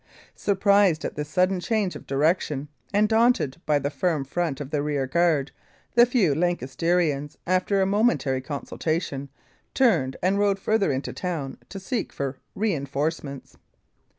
Surprised at this sudden change of direction, and daunted by the firm front of the rear guard, the few Lancastrians, after a momentary consultation, turned and rode farther into town to seek for reinforcements.